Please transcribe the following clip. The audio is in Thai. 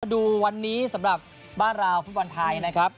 มาดูวันนี้สำหรับบ้านราวฟุ่นปอนด์ไทยนะครับ